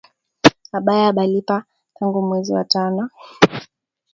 Abaya balipa tangu mwenzi wa tano